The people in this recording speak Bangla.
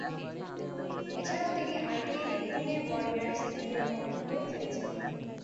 এছাড়াও তিনি আইপিএলে পুনে ওয়ারিয়র্স ইন্ডিয়ার পক্ষ হয়ে খেলছেন।